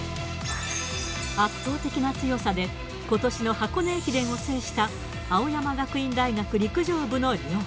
圧倒的な強さで、ことしの箱根駅伝を制した青山学院大学陸上部の寮。